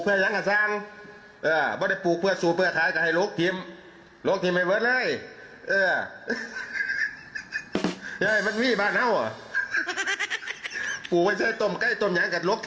เอาซะนี่นะ